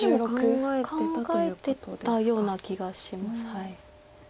考えてたような気がします。